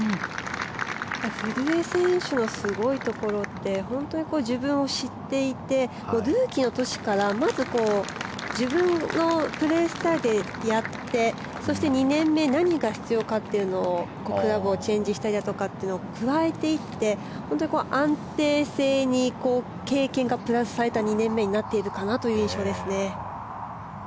古江選手のすごいところって本当に自分を知っていてルーキーの年からまず自分のプレースタイルでやってそして２年目何が必要かというのをクラブをチェンジしたりだとかを加えていって安定性に経験がプラスされた２年目になっているかなという印象ですね。